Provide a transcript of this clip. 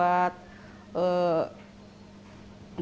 ya buat masak sehari hari buat